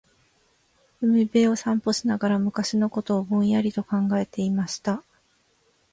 •海辺を散歩しながら、昔のことをぼんやりと考えていました。